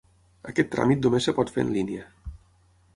Aquest tràmit només es pot fer en línia.